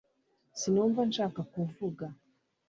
sinumva nshaka kuvuga